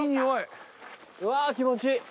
うわー気持ちいい！